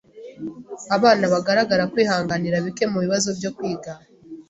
Abana bagaragaza kwihanganira bike kubibazo byo kwiga.